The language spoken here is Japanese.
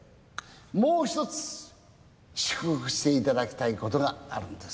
もう１つ祝福して頂きたいことがあるんです。